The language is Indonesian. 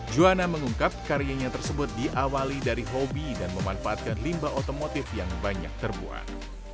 juwana mengungkap karyanya tersebut diawali dari hobi dan memanfaatkan limbah otomotif yang banyak terbuat